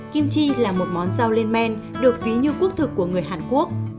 kim chi là một món rau lên men được ví như quốc thực của người hàn quốc